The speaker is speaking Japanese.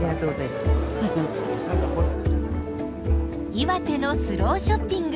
岩手のスローショッピング。